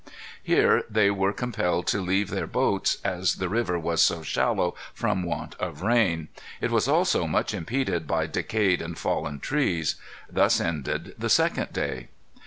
Here they were compelled to leave their boats, as the river was so shallow from want of rain; it was also much impeded by decayed and fallen trees. Thus ended the second day.